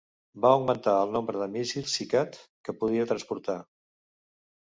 Va augmentar el nombre de míssils SeaCat que podia transportar.